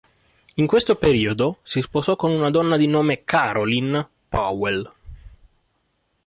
In questo periodo si sposò con una donna di nome Caroline Powell.